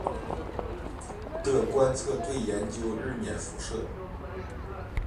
的观测队研究日冕辐射。